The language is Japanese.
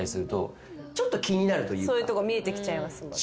そういうとこ見えてきちゃいますもんね。